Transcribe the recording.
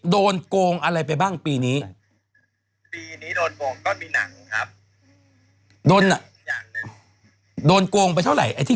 โดนโกงไปเท่าไหร่โกงที่เกี่ยวนั้นโดนโกงไปเท่าไหร่